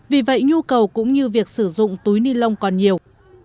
vì vậy nhu cầu cũng như việc sử dụng túi ni lông còn nhiều